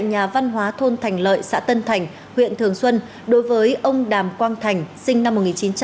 nhà văn hóa thôn thành lợi xã tân thành huyện thường xuân đối với ông đàm quang thành sinh năm một nghìn chín trăm tám mươi